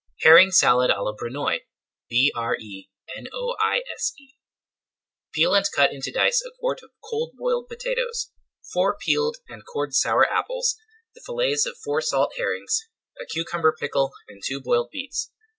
HERRING SALAD À LA BRENOISE Peel and cut into dice a quart of cold boiled potatoes, four peeled and cored sour apples, the fillets of four salt herrings, a cucumber pickle and two boiled beets.